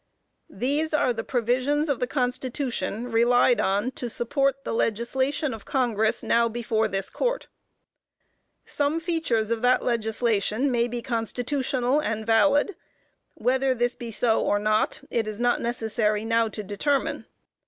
_" These are the provisions of the Constitution relied on to support the legislation of Congress now before this Court. Some features of that legislation may be constitutional and valid. Whether this be so or not, it is not necessary now to determine.